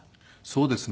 そうですね。